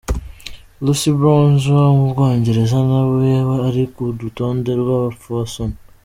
Lucy Bronze wo mu Bwongereza na we ari ku rutonde rw'abapfasoni.